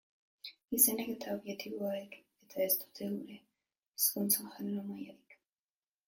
Izenek eta adjektiboek eta ez dute gure hizkuntzan genero markarik.